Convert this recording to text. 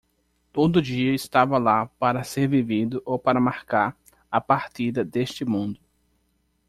Todo dia estava lá para ser vivido ou para marcar a partida deste mundo.